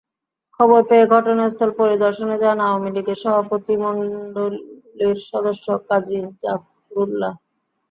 খবর পেয়ে ঘটনাস্থল পরিদর্শনে যান আওয়ামী লীগের সভাপতিমণ্ডলীর সদস্য কাজী জাফরুল্লাহ।